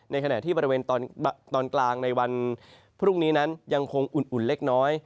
ขณะที่บริเวณตอนกลางในวันพรุ่งนี้นั้นยังคงอุ่นเล็กน้อย